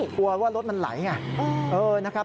กลัวว่ารถมันไหลไงนะครับ